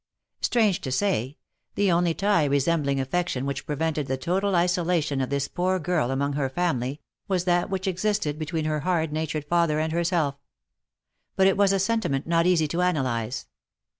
Strange to say, the only tie resembling affection which prevented the total isolation of this poor girl among her family, was that which existed between her hard natured father and herself; but it was a sentiment not easy to analyze.